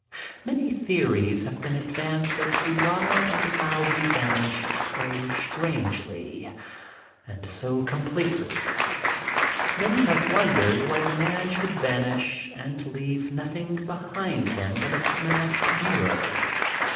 Many theories have been advanced as to why and how he vanished so strangely and so completely. Many have wondered why a man should vanish and leave nothing behind him but a smashed mirror.